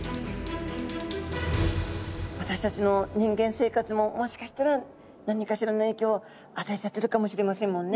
私たちの人間生活ももしかしたら何かしらの影響を与えちゃってるかもしれませんもんね